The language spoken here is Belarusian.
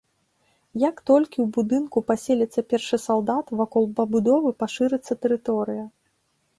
Як толькі ў будынку паселіцца першы салдат, вакол пабудовы пашырыцца тэрыторыя.